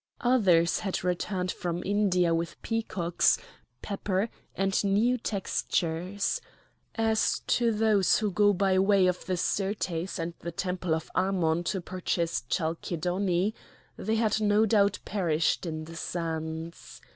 Others had returned from India with peacocks, pepper, and new textures. As to those who go by way of the Syrtes and the temple of Ammon to purchase chalcedony, they had no doubt perished in the sands.